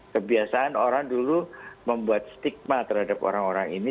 kebiasaan orang dulu membuat stigma terhadap orang orang ini